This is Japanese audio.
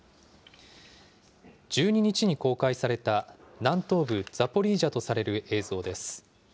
１２日に公開された、南東部ザポリージャとされる映像です。